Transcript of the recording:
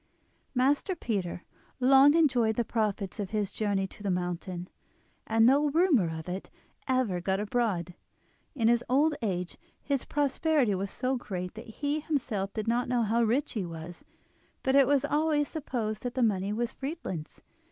Master Peter long enjoyed the profits of his journey to the mountain, and no rumour of it ever got abroad. In his old age his prosperity was so great that he himself did not know how rich he was; but it was always supposed that the money was Friedlin's.